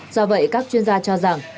do vậy các chuyên gia cho rằng